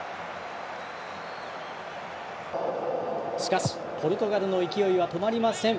しかし、ポルトガルの勢いは止まりません。